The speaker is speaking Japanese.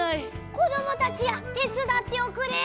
こどもたちやてつだっておくれ！